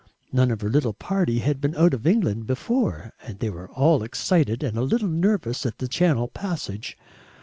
None of her little party had been out of England before, and they were all excited and a little nervous at the Channel passage.